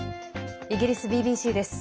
イギリスＢＢＣです。